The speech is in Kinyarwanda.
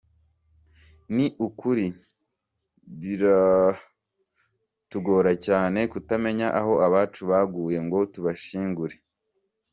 Ni ukuri biratugora cyane kutamenya aho abacu baguye ngo tubashyingure.